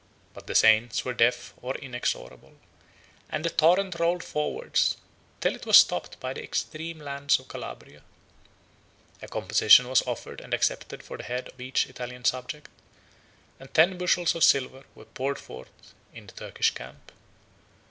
But the saints were deaf or inexorable; and the torrent rolled forwards, till it was stopped by the extreme land of Calabria. 33 A composition was offered and accepted for the head of each Italian subject; and ten bushels of silver were poured forth in the Turkish camp.